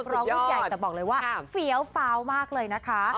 ร้องรุ่นใหญ่แต่บอกเลยว่าเหลือเฝ้ามากเลยนะคะ